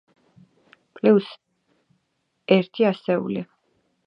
პლიუს ერთი ასეული.